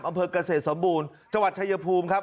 อำเภอกเกษตรสมบูรณ์จังหวัดชายภูมิครับ